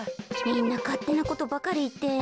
みんなかってなことばかりいって。